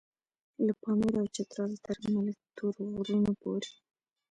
له پاميره او چتراله تر ملک تور غرونو پورې.